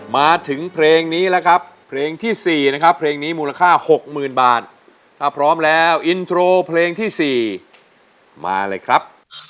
มาถึงเพลงนี้แล้วครับเพลงที่๔นะครับเพลงนี้มูลค่า๖๐๐๐บาทถ้าพร้อมแล้วอินโทรเพลงที่๔มาเลยครับ